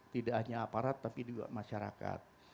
tidak hanya aparat tapi juga masyarakat